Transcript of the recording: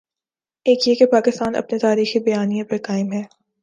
ایک یہ کہ پاکستان اپنے تاریخی بیانیے پر قائم ہے۔